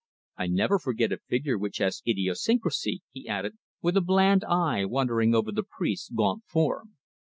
"I never forget a figure which has idiosyncrasy," he added, with a bland eye wandering over the priest's gaunt form.